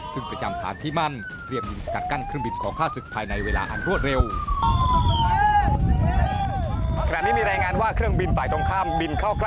ซึ่งประจำฐานที่มั่นเตรียมยิงสกัดกั้นเครื่องบินขอฆ่าศึกภายในเวลาอันรวดเร็ว